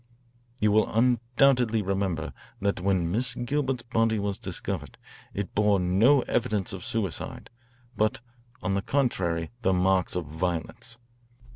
"You will undoubtedly remember that when Miss Gilbert's body was discovered, it bore no evidence of suicide, but on the contrary the marks of violence.